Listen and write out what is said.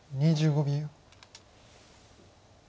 ２５秒。